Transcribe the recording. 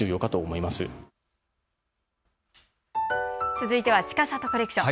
続いては、ちかさとコレクション。